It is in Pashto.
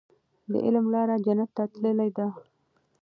د علم لاره جنت ته تللې ده.